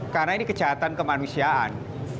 karena ini kejahatan kemanusiaan